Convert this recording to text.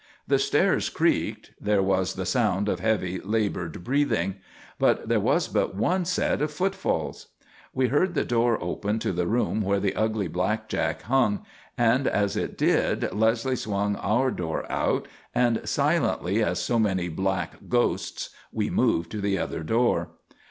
The stairs creaked there was the sound of heavy, laboured breathing. But there was but one set of footfalls! We heard the door open to the room where the ugly blackjack hung, and as it did Leslie swung our door out and, silently as so many black ghosts, we moved to the other door.